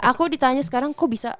aku ditanya sekarang kok bisa